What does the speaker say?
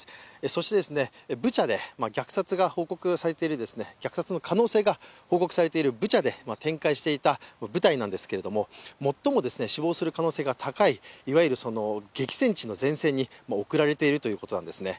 そしてブチャで虐殺の可能性が報告されているブチャで展開していた部隊ですが最も死亡する可能性が高い、いわゆる激戦地の前線に送られているということなんですね。